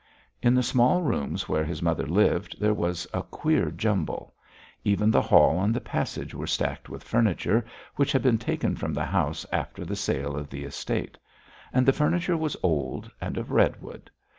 In the small rooms where his mother lived there was a queer jumble; even the hall and the passage were stacked with furniture, which had been taken from the house after the sale of the estate; and the furniture was old, and of redwood.